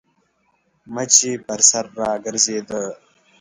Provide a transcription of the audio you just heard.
مچ يې پر سر راګرځېده.